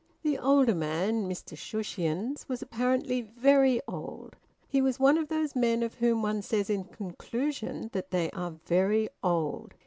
The older man, Mr Shushions, was apparently very old. He was one of those men of whom one says in conclusion that they are very old.